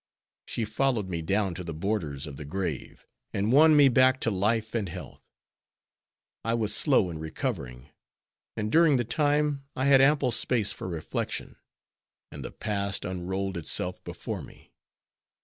She followed me down to the borders of the grave, and won me back to life and health. I was slow in recovering and, during the time, I had ample space for reflection, and the past unrolled itself before me.